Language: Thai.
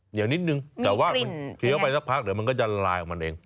เหนียวนิดนึงแต่ว่าเทียบไปสักพักเดี๋ยวมันก็จะละลายออกมาเอง